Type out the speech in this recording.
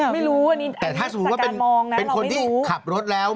ไม่รู้แต่ถ้าสมมุติว่าเป็นคนที่ขับรถแล้ว